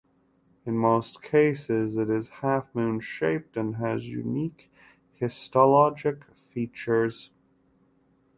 In most cases, it is half-moon-shaped and has unique histologic features.